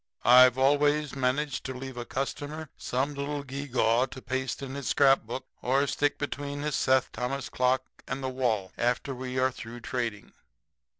I've always managed to leave a customer some little gewgaw to paste in his scrapbook or stick between his Seth Thomas clock and the wall after we are through trading.